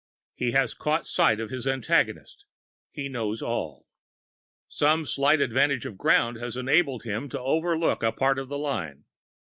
He has caught sight of his antagonist; he knows all. Some slight advantage of ground has enabled him to overlook a part of the line.